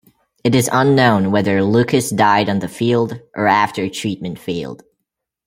It is unknown whether Lucas died on the field, or after treatment failed.